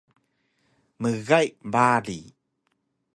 Mgay bari